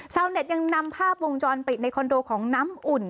เน็ตยังนำภาพวงจรปิดในคอนโดของน้ำอุ่น